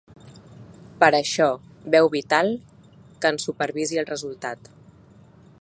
Per això, veu ‘vital’ que en supervisi el resultat.